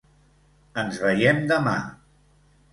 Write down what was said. Ens veiem demà.